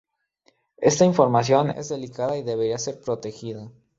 Esta información es delicada y debería ser protegida.